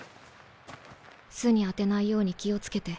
巣に当てないように気を付けて。